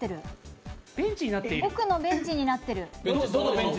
ベンチになってる？